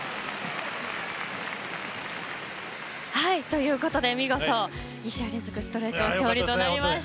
ということで見事２試合連続勝利となりました。